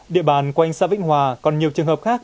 địa bàn quanh xã vĩnh hòa còn nhiều trường hợp khác